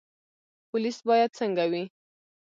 پولیس باید څنګه وي؟